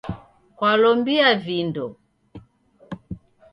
Kwalombia vindo?